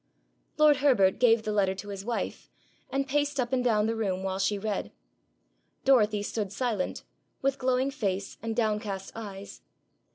Lord Herbert gave the letter to his wife, and paced up and down the room while she read. Dorothy stood silent, with glowing face and downcast eyes.